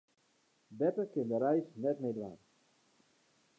Beppe kin de reis net mear dwaan.